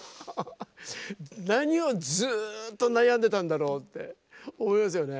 何をずっと悩んでたんだろうって思いますよね。